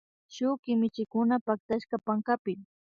Shuk kimichikuna pactashka pankapi